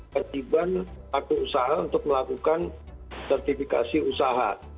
kejiban satu usaha untuk melakukan sertifikasi usaha